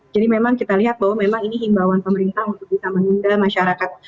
jadi memang kita lihat bahwa memang ini himbawan pemerintah untuk kita meninggal masyarakat